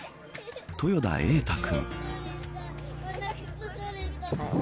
豊田瑛大君。